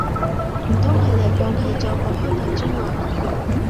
唔通佢哋放棄咗個開發專案